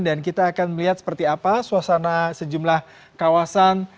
dan kita akan melihat seperti apa suasana sejumlah kawasan